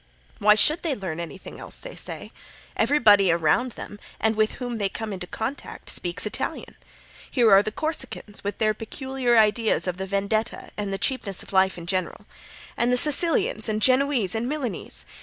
Why should they learn anything else, they say. Everybody around them, and with whom they come in contact speaks Italian. Here are the Corsicans, with their peculiar ideas of the vendetta and the cheapness of life in general, and the Sicilians and Genoese and Milanese.